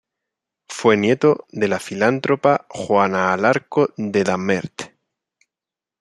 Fue nieto de la filántropa Juana Alarco de Dammert.